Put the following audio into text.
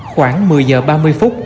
khoảng một mươi h ba mươi phút